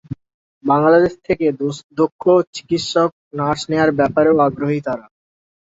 বাংলাদেশ থেকে দক্ষ চিকিৎসক, নার্স নেওয়ার ব্যাপারেও তারা আগ্রহী।